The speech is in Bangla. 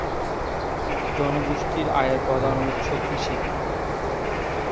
জনগোষ্ঠীর আয়ের প্রধান উৎস কৃষি।